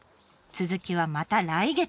続きはまた来月。